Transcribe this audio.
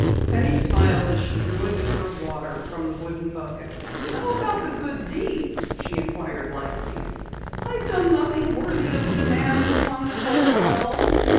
Penny smiled as she drew a dipper of water from the wooden bucket. "How about the good deed?" she inquired lightly. "I've done nothing worthy of a demand upon this old well."